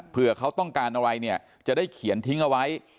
เพื่อเขาต้องการอะไรเนี่ยจะได้เขียนทิ้งเอาไว้